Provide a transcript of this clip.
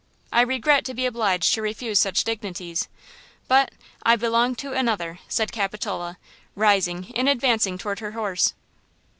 I regret to be obliged to refuse such dignities, but–I belong to another," said Capitola, rising and advancing toward her horse.